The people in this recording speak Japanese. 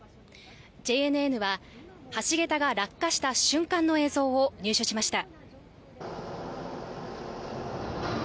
ＪＮＮは橋げたが落下した瞬間の映像を入手しました。